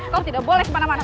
kau tidak boleh kemana mana